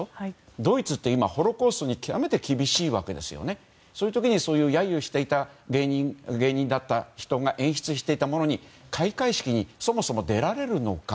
ドイツって今ホロコーストに極めて厳しいわけでそこにホロコースト揶揄していた発言をしていた人が演出していたものに開会式にそもそも出られるのか。